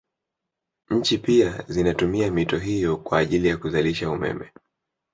Nchi pia zinatumia mito hiyo kwa ajili ya kuzalisha umeme